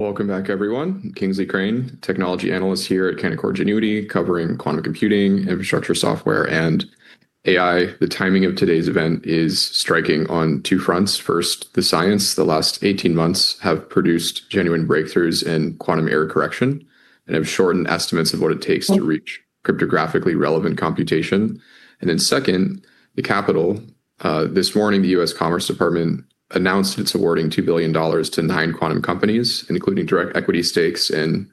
Welcome back, everyone. Kingsley Crane, Technology Analyst here at Canaccord Genuity, covering quantum computing, infrastructure software, and AI. The timing of today's event is striking on two fronts. First, the science. The last 18 months have produced genuine breakthroughs in quantum error correction and have shortened estimates of what it takes to reach cryptographically relevant computation. Second, the capital. This morning, the U.S. Department of Commerce announced it's awarding $2 billion to nine quantum companies, including direct equity stakes in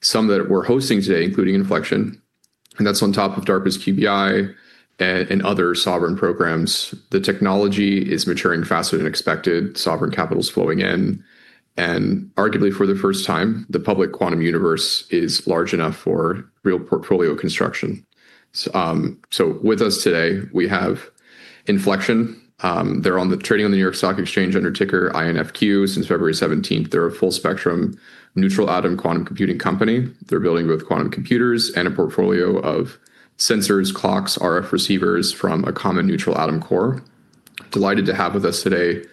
some that we're hosting today, including Infleqtion, and that's on top of DARPA's QBI and other sovereign programs. The technology is maturing faster than expected, sovereign capital's flowing in, and arguably for the first time, the public quantum universe is large enough for real portfolio construction. With us today, we have Infleqtion. They're trading on the New York Stock Exchange under ticker INFQ since February 17th. They're a full-spectrum neutral-atom quantum computing company. They're building both quantum computers and a portfolio of sensors, clocks, RF receivers from a common neutral atom core. Delighted to have with us today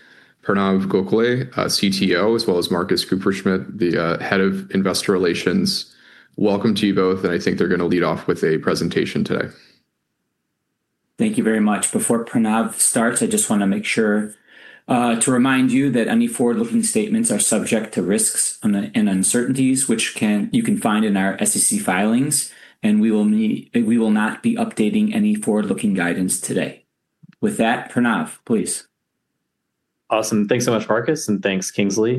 Pranav Gokhale, CTO, as well as Marcus Kupferschmidt, the Head of Investor Relations. Welcome to you both. I think they're going to lead off with a presentation today. Thank you very much. Before Pranav starts, I just want to make sure to remind you that any forward-looking statements are subject to risks and uncertainties, which you can find in our SEC filings. We will not be updating any forward-looking guidance today. With that, Pranav, please. Awesome. Thanks so much, Marcus, and thanks, Kingsley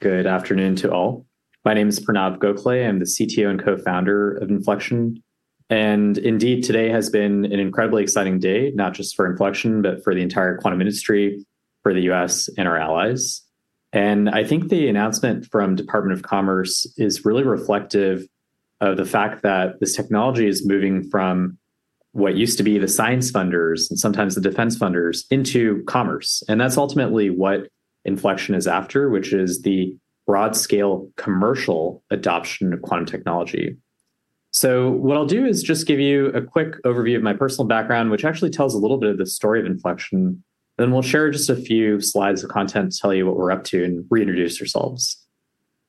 Crane. Good afternoon to all. My name is Pranav Gokhale. I'm the CTO and Co-Founder of Infleqtion. Indeed, today has been an incredibly exciting day, not just for Infleqtion, but for the entire quantum industry, for the U.S., and our allies. I think the announcement from Department of Commerce is really reflective of the fact that this technology is moving from what used to be the science funders and sometimes the defense funders into commerce. That's ultimately what Infleqtion is after, which is the broad-scale commercial adoption of quantum technology. What I'll do is just give you a quick overview of my personal background, which actually tells a little bit of the story of Infleqtion, then we'll share just a few slides of content to tell you what we're up to and reintroduce ourselves.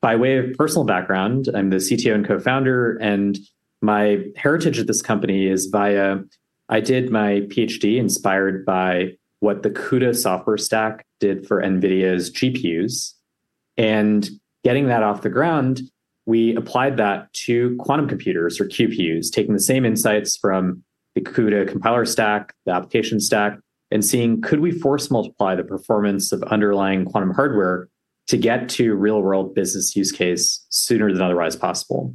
By way of personal background, I'm the CTO and Co-Founder. My heritage at this company is via, I did my PhD inspired by what the CUDA software stack did for NVIDIA's GPUs. Getting that off the ground, we applied that to quantum computers or QPUs, taking the same insights from the CUDA compiler stack, the application stack, and seeing, could we force multiply the performance of underlying quantum hardware to get to real-world business use case sooner than otherwise possible?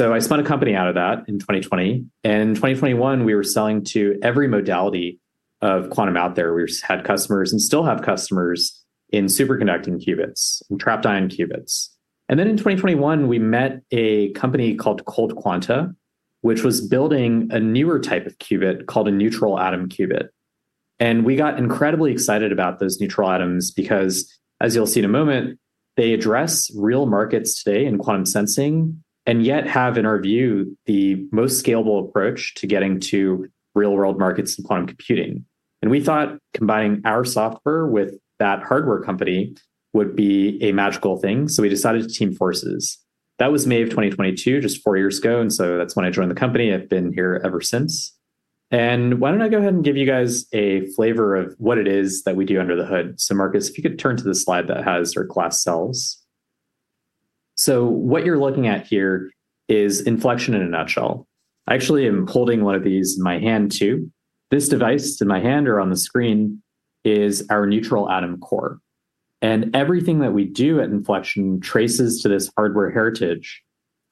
I spun a company out of that in 2020. In 2021, we were selling to every modality of quantum out there. We had customers, and still have customers, in superconducting qubits, in trapped ion qubits. In 2021, we met a company called ColdQuanta, which was building a newer type of qubit called a neutral atom qubit. We got incredibly excited about those neutral atoms because, as you'll see in a moment, they address real markets today in quantum sensing, and yet have, in our view, the most scalable approach to getting to real-world markets in quantum computing. We thought combining our software with that hardware company would be a magical thing, so we decided to team forces. That was May of 2022, just four years ago, and so that's when I joined the company. I've been here ever since. Why don't I go ahead and give you guys a flavor of what it is that we do under the hood. Marcus, if you could turn to the slide that has our glass cells. What you're looking at here is Infleqtion in a nutshell. I actually am holding one of these in my hand too. This device in my hand or on the screen is our neutral atom core. Everything that we do at Infleqtion traces to this hardware heritage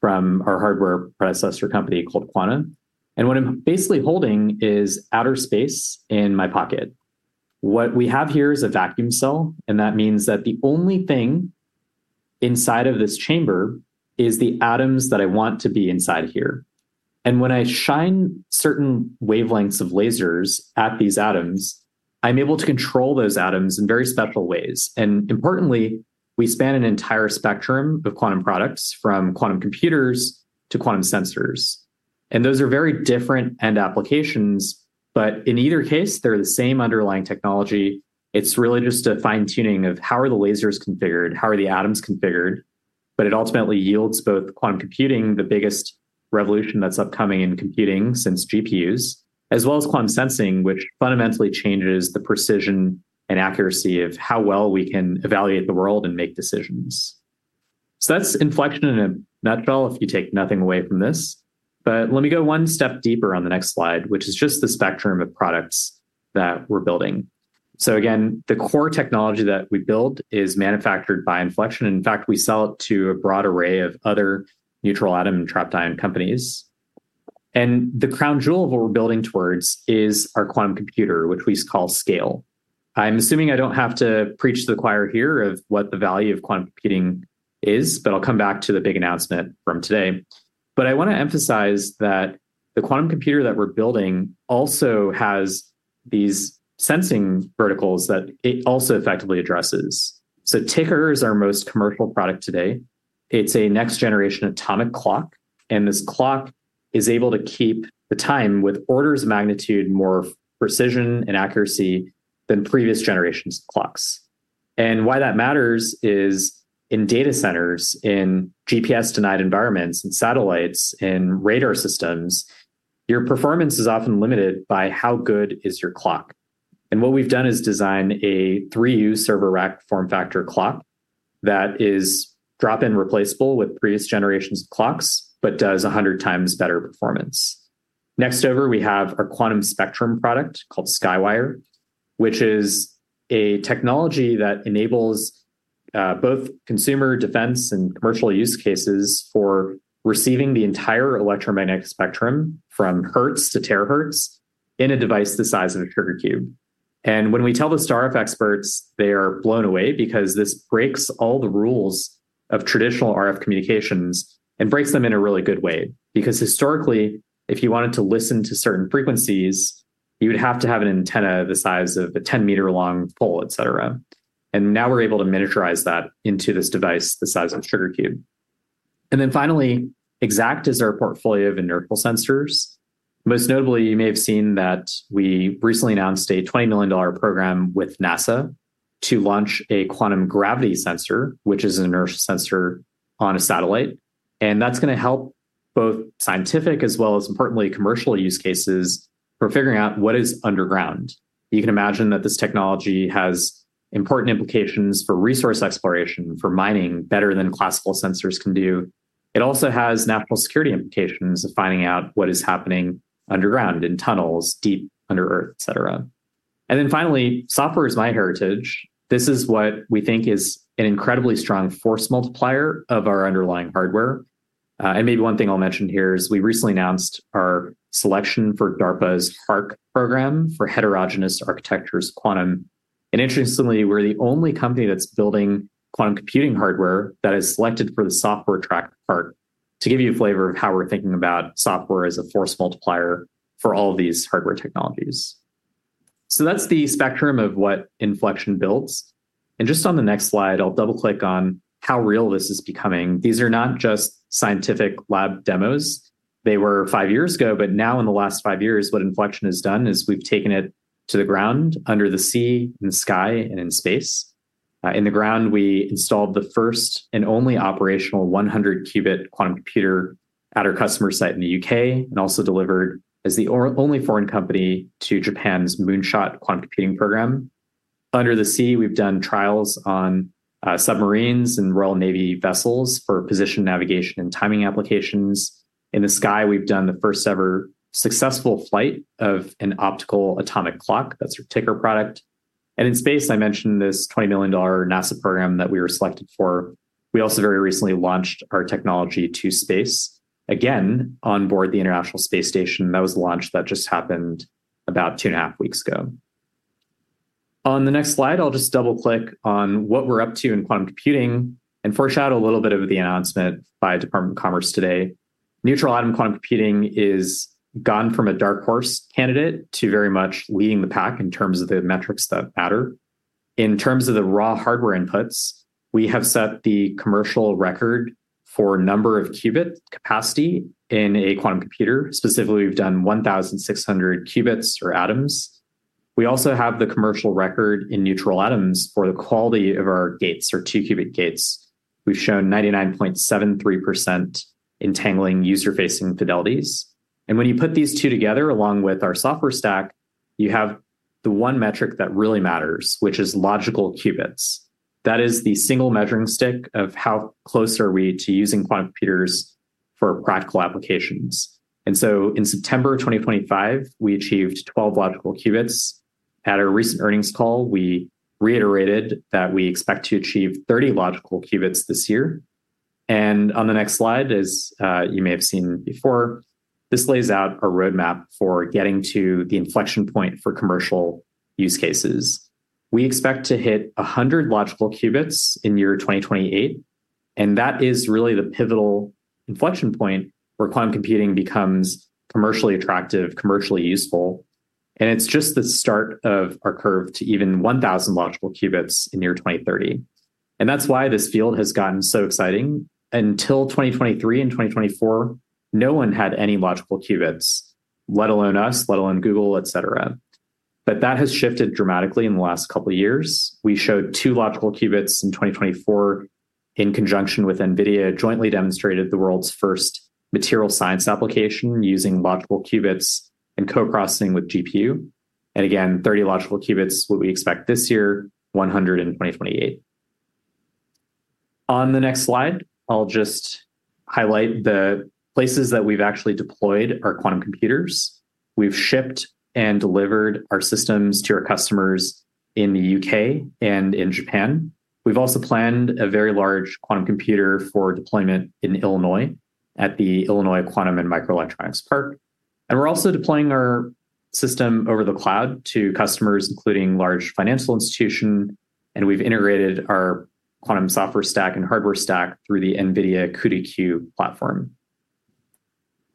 from our hardware predecessor company, ColdQuanta. What I'm basically holding is outer space in my pocket. What we have here is a vacuum cell, and that means that the only thing inside of this chamber is the atoms that I want to be inside here. When I shine certain wavelengths of lasers at these atoms, I'm able to control those atoms in very special ways. Importantly, we span an entire spectrum of quantum products, from quantum computers to quantum sensors. Those are very different end applications, but in either case, they're the same underlying technology. It's really just a fine-tuning of how are the lasers configured, how are the atoms configured. It ultimately yields both quantum computing, the biggest revolution that's upcoming in computing since GPUs, as well as quantum sensing, which fundamentally changes the precision and accuracy of how well we can evaluate the world and make decisions. That's Infleqtion in a nutshell, if you take nothing away from this. Let me go one step deeper on the next slide, which is just the spectrum of products that we're building. Again, the core technology that we build is manufactured by Infleqtion. In fact, we sell it to a broad array of other neutral atom and trapped ion companies. The crown jewel of what we're building towards is our quantum computer, which we call Sqale. I'm assuming I don't have to preach to the choir here of what the value of quantum computing is, but I'll come back to the big announcement from today. I want to emphasize that the quantum computer that we're building also has these sensing verticals that it also effectively addresses. Tiqker is our most commercial product today. It's a next-generation atomic clock, and this clock is able to keep the time with orders of magnitude more precision and accuracy than previous generations of clocks. Why that matters is in data centers, in GPS-denied environments, in satellites, in radar systems, your performance is often limited by how good is your clock. What we've done is design a 3U server rack form factor clock that is drop-in replaceable with previous generations of clocks, but does 100x better performance. Next over, we have our Quantum Spectrum product called SqyWire, which is a technology that enables both consumer defense and commercial use cases for receiving the entire electromagnetic spectrum from hertz to terahertz in a device the size of a sugar cube. When we tell the star RF experts, they are blown away because this breaks all the rules of traditional RF communications and breaks them in a really good way. Historically, if you wanted to listen to certain frequencies, you would have to have an antenna the size of a 10 m long pole, et cetera. Now we're able to miniaturize that into this device the size of a sugar cube. Finally, eXaqt is our portfolio of inertial sensors. Most notably, you may have seen that we recently announced a $20 million program with NASA to launch a quantum gravity sensor, which is an inertial sensor on a satellite, that's going to help both scientific as well as, importantly, commercial use cases for figuring out what is underground. You can imagine that this technology has important implications for resource exploration, for mining, better than classical sensors can do. It also has national security implications of finding out what is happening underground, in tunnels, deep under earth, et cetera. Finally, software is my heritage. This is what we think is an incredibly strong force multiplier of our underlying hardware. Maybe one thing I'll mention here is we recently announced our selection for DARPA's HARQ program for Heterogeneous Architectures for Quantum. Interestingly, we're the only company that's building quantum computing hardware that is selected for the software track part to give you a flavor of how we're thinking about software as a force multiplier for all of these hardware technologies. That's the spectrum of what Infleqtion builds. Just on the next slide, I'll double-click on how real this is becoming. These are not just scientific lab demos. They were five years ago, but now in the last five years, what Infleqtion has done is we've taken it to the ground, under the sea, in the sky, and in space. In the ground, we installed the first and only operational 100qubit quantum computer at our customer site in the U.K., and also delivered as the only foreign company to Japan's Moonshot quantum computing program. Under the sea, we've done trials on submarines and Royal Navy vessels for position navigation and timing applications. In the sky, we've done the first ever successful flight of an optical atomic clock. That's our Tiqker product. In space, I mentioned this $20 million NASA program that we were selected for. We also very recently launched our technology to space, again, on board the International Space Station. That was launched, that just happened about 2.5 weeks ago. On the next slide, I'll just double-click on what we're up to in quantum computing and foreshadow a little bit of the announcement by Department of Commerce today. Neutral atom quantum computing is gone from a dark horse candidate to very much leading the pack in terms of the metrics that matter. In terms of the raw hardware inputs, we have set the commercial record for number of qubit capacity in a quantum computer. Specifically, we've done 1,600 qubits or atoms. We also have the commercial record in neutral atoms for the quality of our gates or 2 qubit gates. We've shown 99.73% entangling user-facing fidelities. When you put these two together, along with our software stack, you have the one metric that really matters, which is logical qubits. That is the single measuring stick of how close are we to using quantum computers for practical applications. In September 2025, we achieved 12 logical qubits. At our recent earnings call, we reiterated that we expect to achieve 30 logical qubits this year. On the next slide, as you may have seen before, this lays out a roadmap for getting to the inflection point for commercial use cases. We expect to hit 100 logical qubits in 2028, that is really the pivotal inflection point where quantum computing becomes commercially attractive, commercially useful. It's just the start of our curve to even 1,000 logical qubits in 2030. That's why this field has gotten so exciting. Until 2023 and 2024, no one had any logical qubits, let alone us, let alone Google, et cetera. That has shifted dramatically in the last couple of years. We showed 2 logical qubits in 2024 in conjunction with NVIDIA, jointly demonstrated the world's first material science application using logical qubits and co-processing with GPU. Again, 30 logical qubits, what we expect this year, 100 in 2028. On the next slide, I'll just highlight the places that we've actually deployed our quantum computers. We've shipped and delivered our systems to our customers in the U.K. and in Japan. We've also planned a very large quantum computer for deployment in Illinois at the Illinois Quantum and Microelectronics Park. We're also deploying our system over the cloud to customers, including large financial institution, and we've integrated our quantum software stack and hardware stack through the NVIDIA CUDA-Q platform.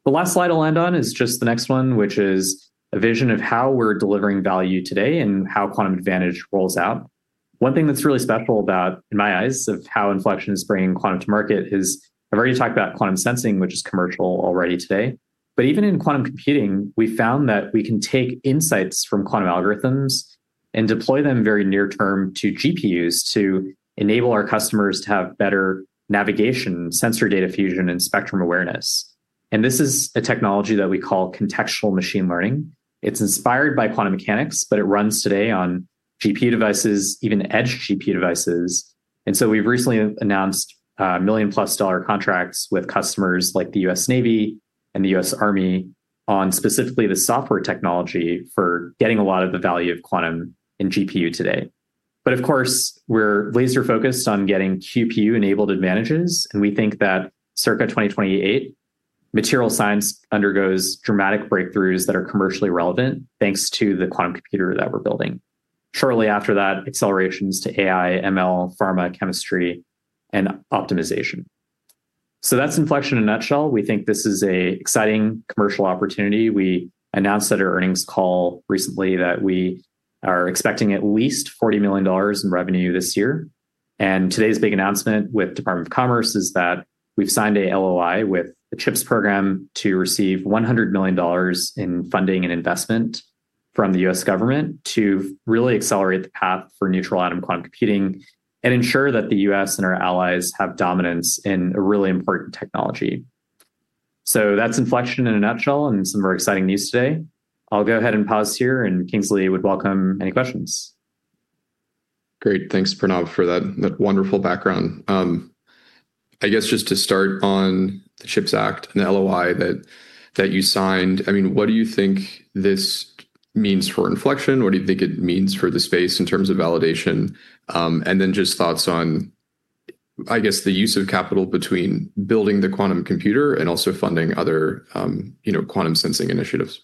The last slide I'll end on is just the next one, which is a vision of how we're delivering value today and how quantum advantage rolls out. One thing that's really special about, in my eyes, of how Infleqtion is bringing quantum to market is, I've already talked about quantum sensing, which is commercial already today. Even in quantum computing, we found that we can take insights from quantum algorithms and deploy them very near term to GPUs to enable our customers to have better navigation, sensor data fusion, and spectrum awareness. This is a technology that we call contextual machine learning. It's inspired by quantum mechanics, but it runs today on GPU devices, even edge GPU devices. We've recently announced $1+ million contracts with customers like the U.S. Navy and the U.S. Army on specifically the software technology for getting a lot of the value of quantum in GPU today. Of course, we're laser-focused on getting QPU-enabled advantages, and we think that circa 2028, material science undergoes dramatic breakthroughs that are commercially relevant, thanks to the quantum computer that we're building. Shortly after that, accelerations to AI, ML, pharma, chemistry, and optimization. That's Infleqtion in a nutshell. We think this is an exciting commercial opportunity. We announced at our earnings call recently that we are expecting at least $40 million in revenue this year. Today's big announcement with Department of Commerce is that we've signed an LOI with the CHIPS program to receive $100 million in funding and investment from the U.S. government to really accelerate the path for neutral atom quantum computing and ensure that the U.S. and our allies have dominance in a really important technology. That's Infleqtion in a nutshell and some very exciting news today. I'll go ahead and pause here, Kingsley would welcome any questions. Great. Thanks, Pranav, for that wonderful background. I guess just to start on the CHIPS Act and the LOI that you signed, what do you think this means for Infleqtion? What do you think it means for the space in terms of validation? Then just thoughts on, I guess, the use of capital between building the quantum computer and also funding other quantum sensing initiatives.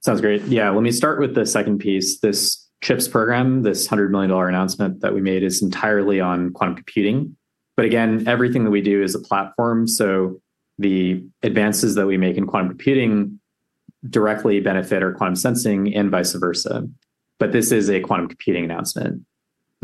Sounds great. Let me start with the second piece. This CHIPS program, this $100 million announcement that we made is entirely on quantum computing. Again, everything that we do is a platform, so the advances that we make in quantum computing directly benefit our quantum sensing and vice versa. This is a quantum computing announcement.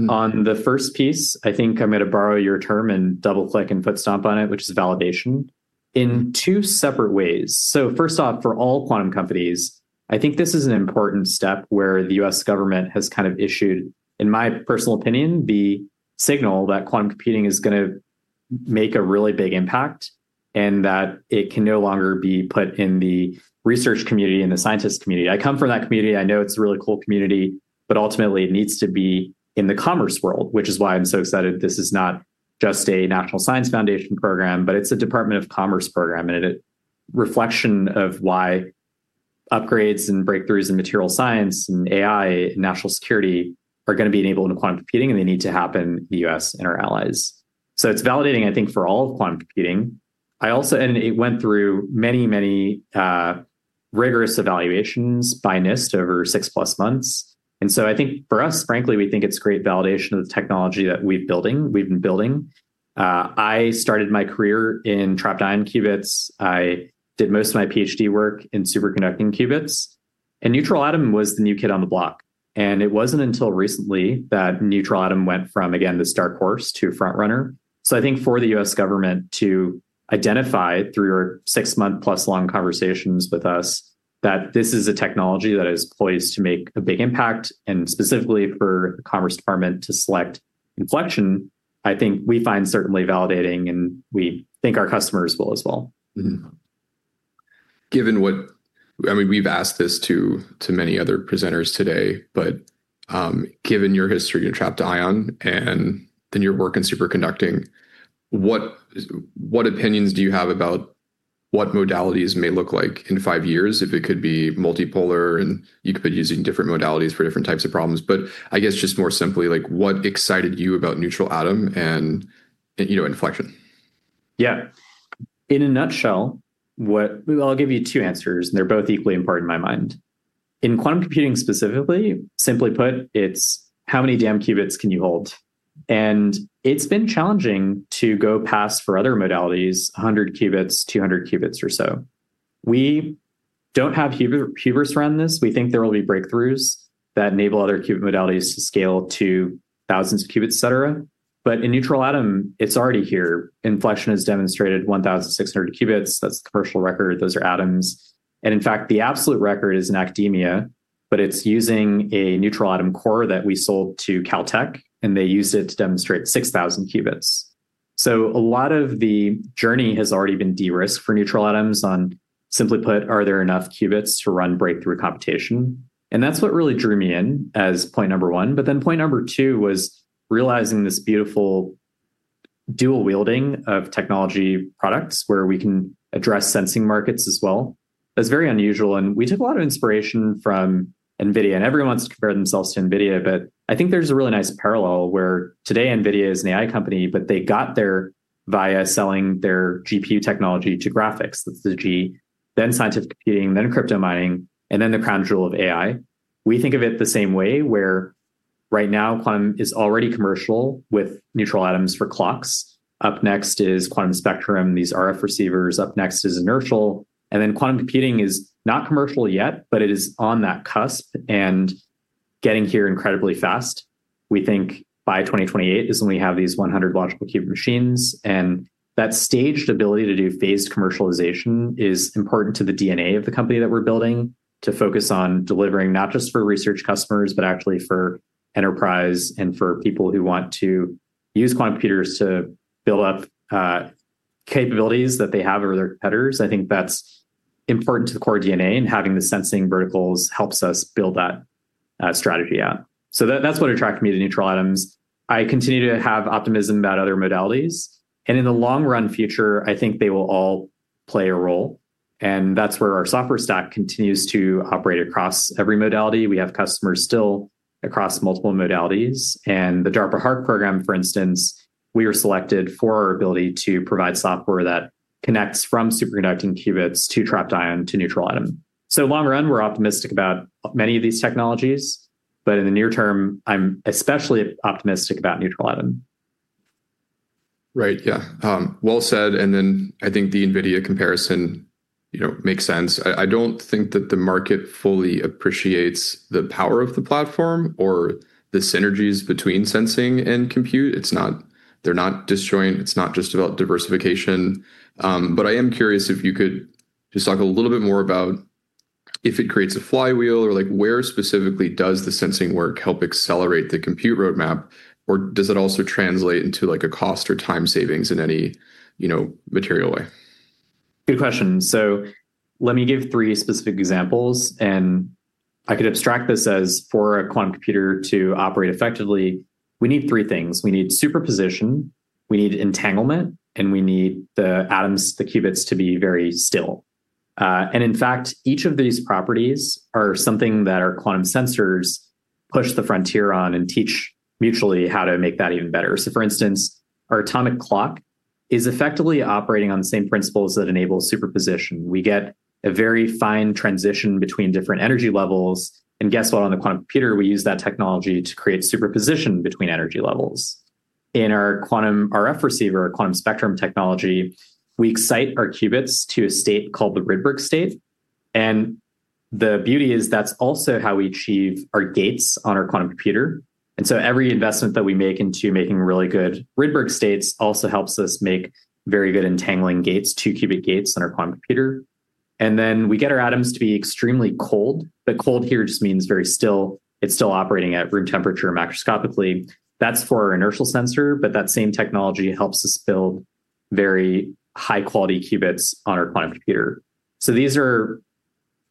On the first piece, I think I'm going to borrow your term and double-click and foot stomp on it, which is validation, in two separate ways. First off, for all quantum companies, I think this is an important step where the U.S. government has issued, in my personal opinion, the signal that quantum computing is going to make a really big impact and that it can no longer be put in the research community and the scientist community. I come from that community. I know it's a really cool community, ultimately, it needs to be in the commerce world, which is why I'm so excited. This is not just a National Science Foundation program, but it's a Department of Commerce program, and a reflection of why upgrades and breakthroughs in material science and AI and national security are going to be enabled in quantum computing, and they need to happen in the U.S. and our allies. It's validating, I think, for all of quantum computing. It went through many, many rigorous evaluations by NIST over 6+ months. I think for us, frankly, we think it's great validation of the technology that we've been building. I started my career in trapped ion qubits. I did most of my PhD work in superconducting qubits. Neutral atom was the new kid on the block. It wasn't until recently that neutral atom went from, again, this dark horse to front-runner. I think for the U.S. government to identify through your 6+ month long conversations with us that this is a technology that is poised to make a big impact, and specifically for the Department of Commerce to select Infleqtion, I think we find certainly validating, and we think our customers will as well. We've asked this to many other presenters today, but given your history in trapped ion and then your work in superconducting, what opinions do you have about what modalities may look like in five years if it could be multipolar and you could be using different modalities for different types of problems? I guess just more simply, what excited you about neutral atom and Infleqtion? Yeah. In a nutshell, I'll give you two answers. They're both equally important in my mind. In quantum computing specifically, simply put, it's how many damn qubits can you hold? It's been challenging to go past, for other modalities, 100 qubits, 200 qubits or so. We don't have hubris around this. We think there will be breakthroughs that enable other qubit modalities to scale to thousands of qubits, et cetera. In neutral atom, it's already here. Infleqtion has demonstrated 1,600 qubits. That's the commercial record. Those are atoms. In fact, the absolute record is in academia, but it's using a neutral atom core that we sold to Caltech, and they used it to demonstrate 6,000 qubits. A lot of the journey has already been de-risked for neutral atoms on, simply put, are there enough qubits to run breakthrough computation? That's what really drew me in as point number one. Point number two was realizing this beautiful dual-wielding of technology products where we can address sensing markets as well. That's very unusual, and we took a lot of inspiration from NVIDIA. Everyone wants to compare themselves to NVIDIA, but I think there's a really nice parallel where today NVIDIA is an AI company, but they got there via selling their GPU technology to graphics. That's the G. Then scientific computing, then crypto mining, and then the crown jewel of AI. We think of it the same way where, right now, quantum is already commercial with neutral atoms for clocks. Up next is Quantum Spectrum, these RF receivers. Up next is inertial, and then quantum computing is not commercial yet, but it is on that cusp and getting here incredibly fast. We think by 2028 is when we have these 100 logical qubit machines, and that staged ability to do phased commercialization is important to the DNA of the company that we're building to focus on delivering not just for research customers, but actually for enterprise and for people who want to use quantum computers to build up capabilities that they have over their competitors. I think that's important to the core DNA. Having the sensing verticals helps us build that strategy out. That's what attracted me to neutral atoms. I continue to have optimism about other modalities. In the long-run future, I think they will all play a role. That's where our software stack continues to operate across every modality. We have customers still across multiple modalities. The DARPA HARQ program, for instance, we are selected for our ability to provide software that connects from superconducting qubits to trapped ion to neutral atom. Long run, we're optimistic about many of these technologies, but in the near term, I'm especially optimistic about neutral atom. Right. Yeah. Well said. Then I think the NVIDIA comparison makes sense. I don't think that the market fully appreciates the power of the platform or the synergies between sensing and compute. They're not disjoint. It's not just about diversification. I am curious if you could just talk a little bit more about if it creates a flywheel or where specifically does the sensing work help accelerate the compute roadmap or does it also translate into a cost or time savings in any material way? Good question. Let me give three specific examples, and I could abstract this as for a quantum computer to operate effectively, we need three things. We need superposition, we need entanglement, and we need the atoms, the qubits, to be very still. In fact, each of these properties are something that our quantum sensors push the frontier on and teach mutually how to make that even better. For instance, our atomic clock is effectively operating on the same principles that enable superposition. We get a very fine transition between different energy levels. Guess what? On the quantum computer, we use that technology to create superposition between energy levels. In our quantum RF receiver, our Quantum Spectrum technology, we excite our qubits to a state called the Rydberg state. The beauty is that's also how we achieve our gates on our quantum computer. Every investment that we make into making really good Rydberg states also helps us make very good entangling gates, 2 qubit gates on our quantum computer. We get our atoms to be extremely cold, but cold here just means very still. It is still operating at room temperature macroscopically. That is for our inertial sensor, but that same technology helps us build very high-quality qubits on our quantum computer. These are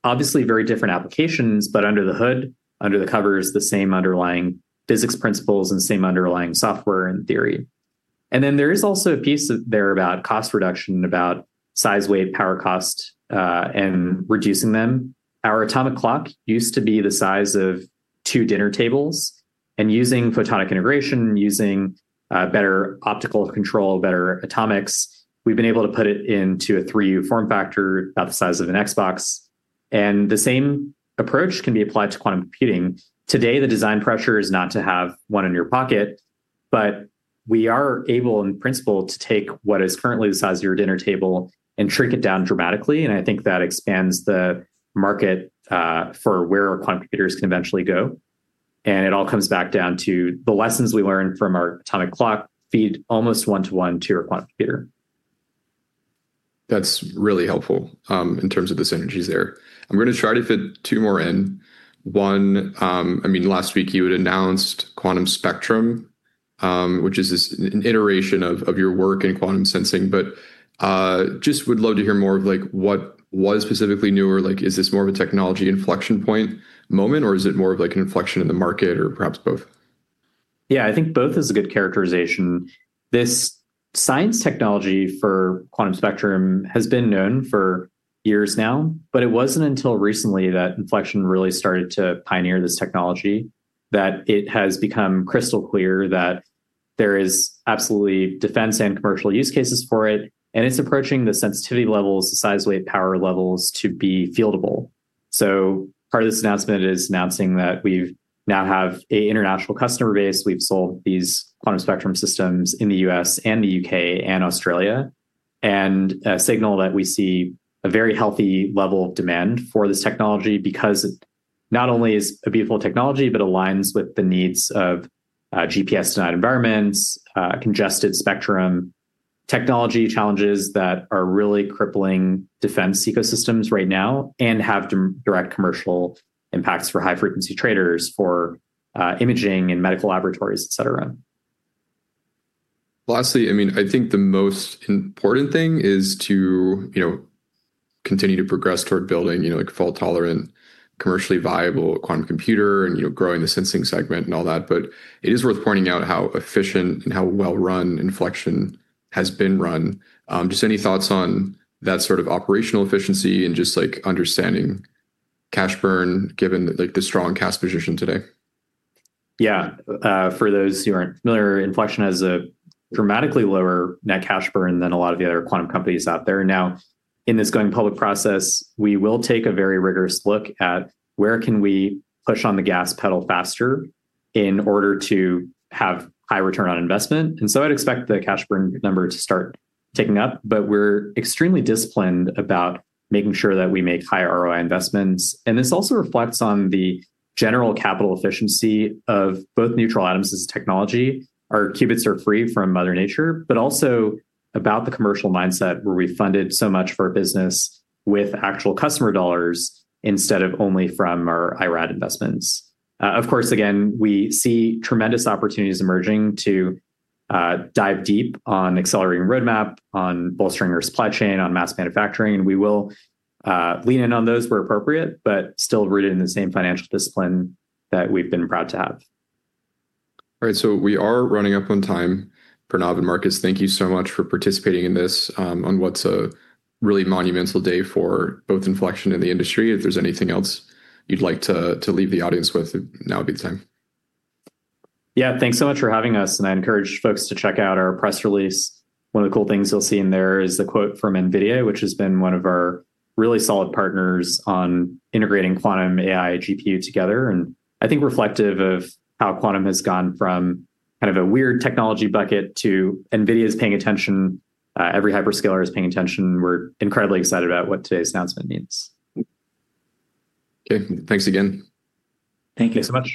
obviously very different applications, but under the hood, under the cover is the same underlying physics principles and same underlying software and theory. There is also a piece there about cost reduction, about size, weight, power cost, and reducing them. Our atomic clock used to be the size of two dinner tables. Using photonic integration, using better optical control, better atomics, we've been able to put it into a 3U form factor about the size of an Xbox. The same approach can be applied to quantum computing. Today, the design pressure is not to have one in your pocket, but we are able, in principle, to take what is currently the size of your dinner table and shrink it down dramatically. I think that expands the market for where our quantum computers can eventually go. It all comes back down to the lessons we learned from our atomic clock feed almost 1:1 to your quantum computer. That's really helpful in terms of the synergies there. I'm going to try to fit two more in. One, last week you had announced Quantum Spectrum, which is this iteration of your work in quantum sensing. Just would love to hear more of what was specifically new or is this more of a technology inflection point moment or is it more of an inflection in the market or perhaps both? I think both is a good characterization. This science technology for Quantum Spectrum has been known for years now, but it wasn't until recently that Infleqtion really started to pioneer this technology, that it has become crystal clear that there is absolutely defense and commercial use cases for it, and it's approaching the sensitivity levels, the size, weight, power levels to be fieldable. Part of this announcement is announcing that we now have an international customer base. We've sold these Quantum Spectrum systems in the U.S. and the U.K. and Australia. A signal that we see a very healthy level of demand for this technology because it not only is a beautiful technology, but aligns with the needs of GPS-denied environments, congested spectrum technology challenges that are really crippling defense ecosystems right now and have direct commercial impacts for high-frequency traders, for imaging and medical laboratories, et cetera. Lastly, I think the most important thing is to continue to progress toward building a fault-tolerant, commercially viable quantum computer and growing the sensing segment and all that. It is worth pointing out how efficient and how well-run Infleqtion has been run. Just any thoughts on that sort of operational efficiency and just understanding cash burn given the strong cash position today? Yeah. For those who aren't familiar, Infleqtion has a dramatically lower net cash burn than a lot of the other quantum companies out there now. In this going public process, we will take a very rigorous look at where can we push on the gas pedal faster in order to have high return on investment. I'd expect the cash burn number to start ticking up. We're extremely disciplined about making sure that we make high ROI investments. This also reflects on the general capital efficiency of both neutral atoms as technology. Our qubits are free from Mother Nature, but also about the commercial mindset where we funded so much for business with actual customer dollars instead of only from our IRAD investments. Of course, again, we see tremendous opportunities emerging to dive deep on accelerating roadmap, on bolstering our supply chain, on mass manufacturing, and we will lean in on those where appropriate, but still rooted in the same financial discipline that we've been proud to have. All right, we are running up on time. Pranav and Marcus, thank you so much for participating in this on what's a really monumental day for both Infleqtion and the industry. If there's anything else you'd like to leave the audience with, now would be the time. Yeah. Thanks so much for having us. I encourage folks to check out our press release. One of the cool things you'll see in there is the quote from NVIDIA, which has been one of our really solid partners on integrating quantum AI GPU together. I think reflective of how quantum has gone from kind of a weird technology bucket to NVIDIA is paying attention, every hyperscaler is paying attention. We're incredibly excited about what today's announcement means. Okay. Thanks again. Thank you so much.